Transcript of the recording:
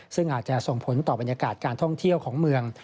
ซึ่งอาจจะส่งผลต่อบรรยากาศการท่องเที่ยวของเมือง